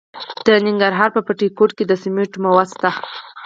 د ننګرهار په بټي کوټ کې د سمنټو مواد شته.